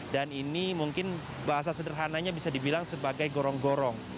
dan ini mungkin bahasa sederhananya bisa dibilang sebagai gorong gorong